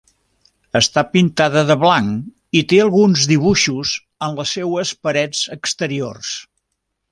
Està pintada de blanc i té alguns dibuixos en les seues parets exteriors.